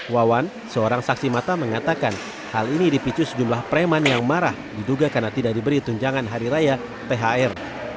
wawan seorang saksi mata mengatakan hal ini dipicu sejumlah preman yang marah diduga karena tidak diberi tunjangan hari raya thr